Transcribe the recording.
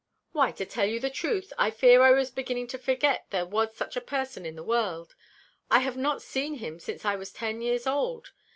"Why, to tell you the truth, I fear I was beginning to forget there was such a person in the world. I have not seen him since I was ten years old.